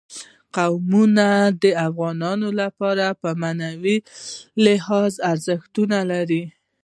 قومونه د افغانانو لپاره په معنوي لحاظ ارزښت لري.